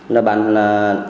là bạn là